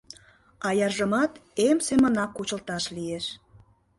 — Аяржымат эм семынак кучылташ лиеш.